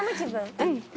うん。